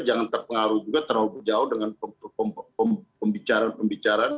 jangan terpengaruh juga terlalu jauh dengan pembicaraan pembicaraan